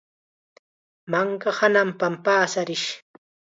Manka hananpam paasarish.